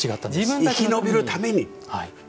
生き延びるために。